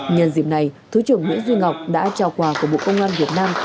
nhân dịp này thứ trưởng nguyễn duy ngọc đã trao quà của bộ công an việt nam